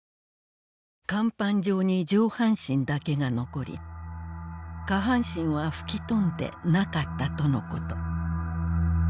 『甲板上に上半身だけがのこり下半身は吹き飛んでなかったとのこと』